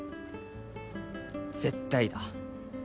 絶対だ。